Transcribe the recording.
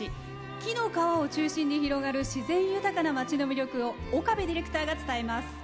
紀の川を中心に広がる自然豊かな町の魅力を岡部ディレクターが伝えます。